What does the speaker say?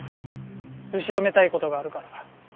後ろめたい事があるから。